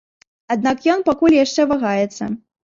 Аднак ён пакуль яшчэ вагаецца.